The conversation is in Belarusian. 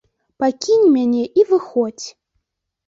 Пакінь мяне і выходзь!